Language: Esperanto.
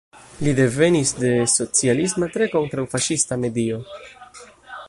Li devenis de socialisma, tre kontraŭ-faŝista medio.